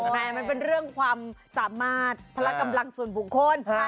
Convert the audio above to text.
แต่มันเป็นเรื่องความสามารถพละกำลังส่วนบุคคล